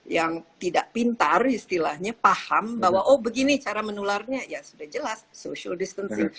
yang tidak pintar istilahnya paham bahwa oh begini cara menularnya ya sudah jelas social distancing